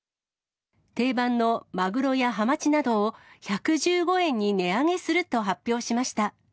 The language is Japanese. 定番のマグロやハマチなどを１１５円に値上げすると発表しました。